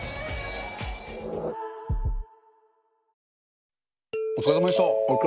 ニトリお疲れさまでした。